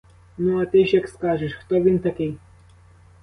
Ну, а ти ж як скажеш — хто він такий?